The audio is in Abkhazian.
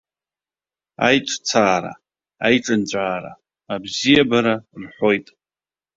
Аиҿцаара, аиҿынҵәаара, абзиабара рҳәоит.